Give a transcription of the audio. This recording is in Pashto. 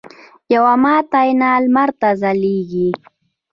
یوه ماته آینه لمر ته ځلیږي